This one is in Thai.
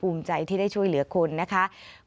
ปูมใจที่ได้ช่วยเหลืองักคนนะคะคนหนึ่งที่จมน้ำเป็นการ